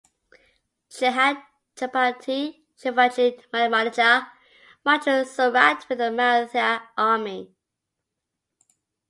Chhatrapati Shivaji Maharaja marched to Surat with the Maratha army.